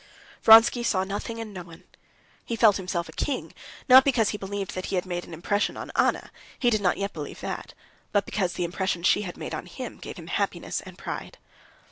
Vronsky saw nothing and no one. He felt himself a king, not because he believed that he had made an impression on Anna—he did not yet believe that,—but because the impression she had made on him gave him happiness and pride.